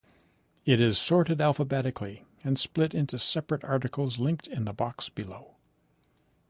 It is sorted alphabetically and split into separate articles linked in the box below.